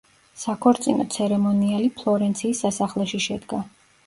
საქორწინო ცერემონიალი ფლორენციის სასახლეში შედგა.